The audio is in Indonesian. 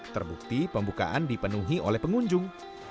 terbukti pembukaan dipenuhi oleh pengunjung